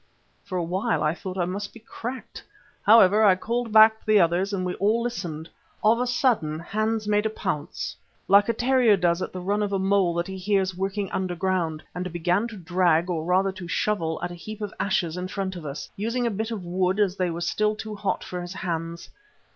_" For a while I thought I must be cracked. However, I called back the others and we all listened. Of a sudden Hans made a pounce, like a terrier does at the run of a mole that he hears working underground, and began to drag, or rather to shovel, at a heap of ashes in front of us, using a bit of wood as they were still too hot for his hands.